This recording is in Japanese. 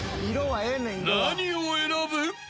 何を選ぶ？］